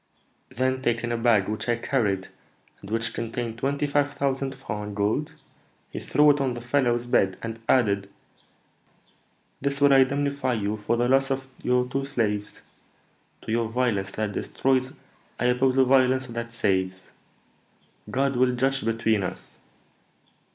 Then taking a bag which I carried, and which contained twenty five thousand francs in gold, he threw it on the fellow's bed, and added, 'This will indemnify you for the loss of your two slaves, to your violence that destroys I oppose a violence that saves. God will judge between us.'